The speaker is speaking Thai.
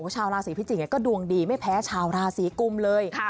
ชาวราศีพิจิกษ์ก็ดวงดีไม่แพ้ชาวราศีกุมเลย